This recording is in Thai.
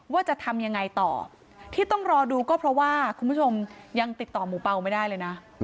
ว่าจะทำยังไงต่อที่ต้องรอดูก็เพราะว่าคุณผู้ชมยังติดต่อหมู่เปล่าไม่ได้เลยนะ